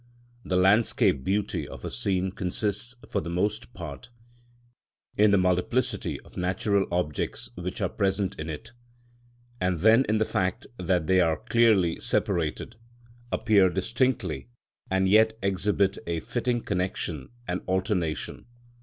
The landscape beauty of a scene consists, for the most part, in the multiplicity of natural objects which are present in it, and then in the fact that they are clearly separated, appear distinctly, and yet exhibit a fitting connection and alternation.